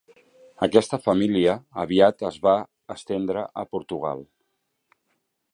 Aquesta família aviat es va estendre a Portugal.